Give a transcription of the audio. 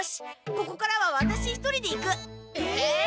ここからはワタシ一人で行く！えっ！？